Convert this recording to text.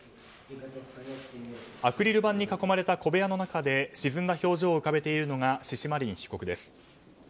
アクリル板に囲まれた小部屋の中で沈んだ表情を浮かべているのがシシマリン被告です。